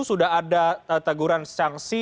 sudah ada teguran sanksi